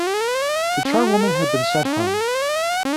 The charwoman had been sent home.